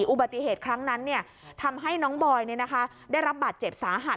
อุบัติเหตุครั้งนั้นทำให้น้องบอยได้รับบาดเจ็บสาหัส